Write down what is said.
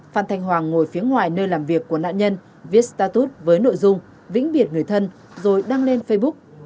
phan thanh hoàng ngồi phía ngoài nơi làm việc của nạn nhân viết status với nội dung vĩnh biệt người thân rồi đăng lên facebook